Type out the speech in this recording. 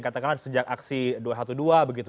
katakanlah sejak aksi dua ratus dua belas begitu